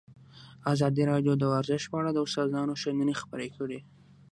ازادي راډیو د ورزش په اړه د استادانو شننې خپرې کړي.